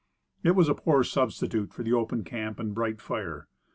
It was a poor substitute for the open camp and bright fire.